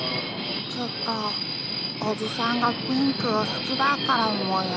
きっとおじさんがピンクをすきだからもや。